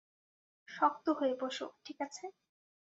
শক্ত হয়ে বসো, ঠিক আছে?